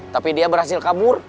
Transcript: tapi dia berhasil kabur